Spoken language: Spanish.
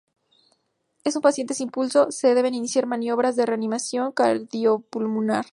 En un paciente sin pulso, se deben iniciar maniobras de reanimación cardiopulmonar.